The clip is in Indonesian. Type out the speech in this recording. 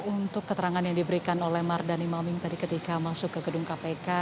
untuk keterangan yang diberikan oleh mardhani maming tadi ketika masuk ke gedung kpk